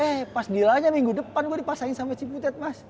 eh pas di lanya minggu depan gua dipasangin sama cibutet mas